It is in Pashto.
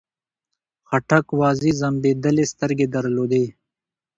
خاټک وازې ځمبېدلې سترګې درلودې.